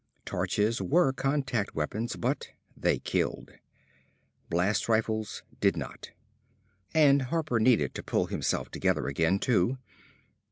Torches were contact weapons but they killed. Blast rifles did not. And Harper needed to pull himself together again, too.